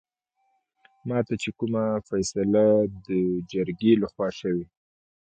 ماته چې کومه فيصله دجرګې لخوا شوې